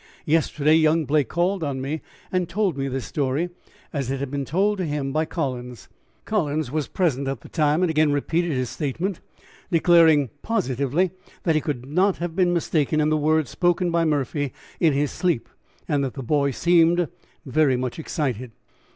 Yesterday young Blake called on me and told me this story as it had been told to him by Collins. Collins was present at the time, and again repeated his statement, declaring positively that he could not have been mistaken in the words spoken by Murphy in his sleep, and that the boy seemed very much excited.